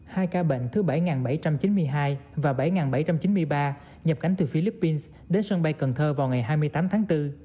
hai ca bệnh thứ bảy bảy trăm chín mươi hai và bảy bảy trăm chín mươi ba nhập cảnh từ philippines đến sân bay cần thơ vào ngày hai mươi tám tháng bốn